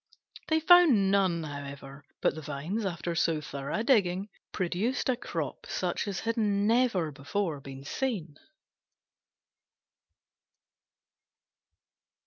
They found none, however: but the vines, after so thorough a digging, produced a crop such as had never before been seen.